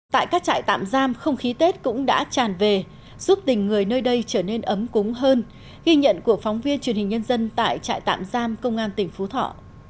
tại các trại tạm giam không khí tết cũng đã tràn về giúp tình người nơi đây trở nên ấm cúng hơn ghi nhận của phóng viên truyền hình nhân dân tại trại tạm giam công an tỉnh phú thọ